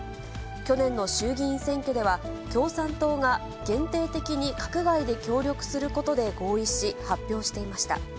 去年の衆議院選挙では、共産党が限定的に閣外で協力することで合意し、発表していました。